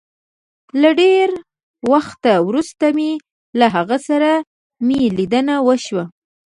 له ډېره وخته وروسته مي له هغه سره مي ليدنه وشوه